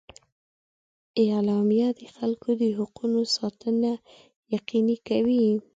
اعلامیه د خلکو د حقونو ساتنه یقیني کوي.